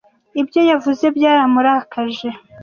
Ibyo yavuze byaramurakaje.